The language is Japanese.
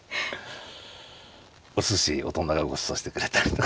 おすし大人がごちそうしてくれたりとか。